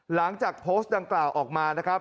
หลังจากโพสต์ดังกล่าวออกมานะครับ